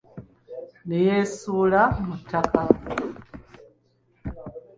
Neyeesuula mu ttaka.